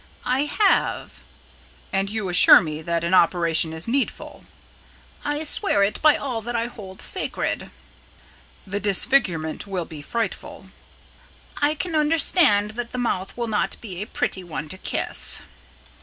"I have." "And you assure me that an operation is needful." "I swear it by all that I hold sacred." "The disfigurement will be frightful." "I can understand that the mouth will not be a pretty one to kiss."